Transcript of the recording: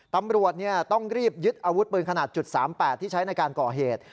ตำรวจต้องรีบยึดอาวุธปืนขนาด๓๘ที่ใช้ในการก่อเหตุ